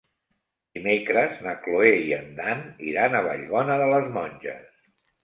Dimecres na Cloè i en Dan iran a Vallbona de les Monges.